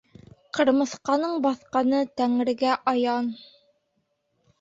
Ҡырмыҫҡаның баҫҡаны тәңрегә аян.